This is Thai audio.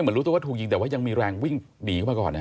รู้ตัวว่าถูกยิงแต่ว่ายังมีแรงวิ่งหนีเข้ามาก่อนนะ